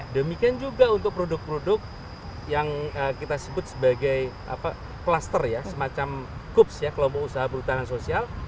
demikian juga untuk produk produk yang kita sebut sebagai kluster ya semacam kups ya kelompok usaha perhutanan sosial